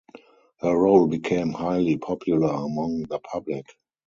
Her role became highly popular among the public.